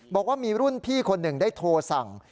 บอกว่ามีรุ่นพี่คนหนึ่งได้โทรสั่ง